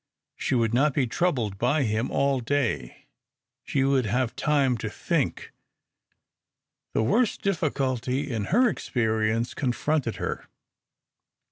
She would not be troubled by him all day. She would have time to think. The worst difficulty in her experience confronted her.